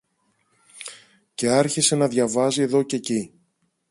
Και άρχισε να διαβάζει εδώ κι εκεί